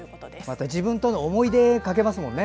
また自分との思い出が書けますもんね。